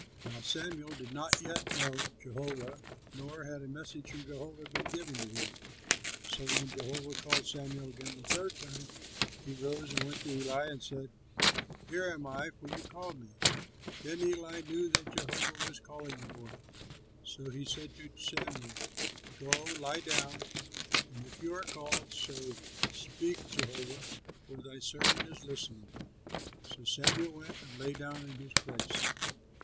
Now Samuel did not yet know Jehovah nor had a message from Jehovah been given to him. So when Jehovah called Samuel again the third time, he rose and went to Eli and said, "Here am I, for you called me!" Then Eli knew that Jehovah was calling the boy. So he said to Samuel, "Go, lie down, and if you are called, say, 'Speak, Jehovah, for thy servant is listening.'" So Samuel went and lay down in his place.